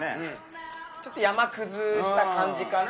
ちょっと山崩した感じかな？